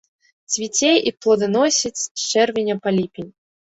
Цвіце і плоданасіць з чэрвеня па ліпень.